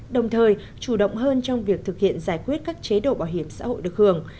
đồng thời chủ động hơn trong việc thực hiện giải quyết các chế độ bảo hiểm xã hội được hưởng